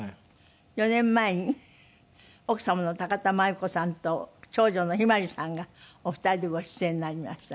４年前に奥様の田万由子さんと長女の向日葵さんがお二人でご出演になりました。